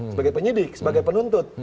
sebagai penyidik sebagai penuntut